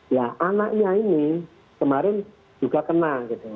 ya anaknya ini kemarin juga kena gitu